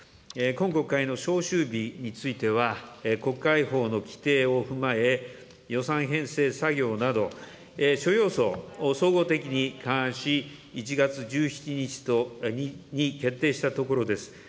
今国会の召集日については、国会法の規定を踏まえ、予算編成作業など、諸要素を総合的に勘案し、１月１７日に決定したところです。